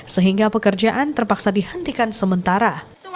sehingga pekerjaan terpaksa dihentikan sementara